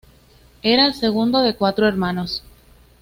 Era el segundo de cuatro hermanos.